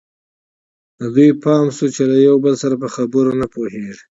د دوی پام شول چې له یو بل سره په خبرو نه پوهېږي.